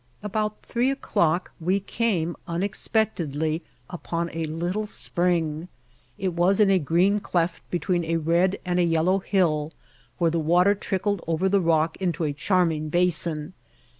About three o'clock we came unexpectedly upon a little spring. It was in a green cleft be tween a red and a yellow hill where the water trickled over the rock into a charming basin.